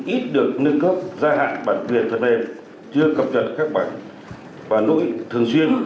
ít được nâng cấp gia hạn bản quyền thật đềm chưa cập trật các bản và nỗi thường xuyên